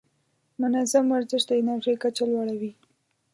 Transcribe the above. منظم ورزش د انرژۍ کچه لوړه وي.